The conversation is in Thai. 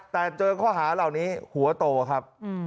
แต่เจอข้อหาเหล่านี้หัวโตครับ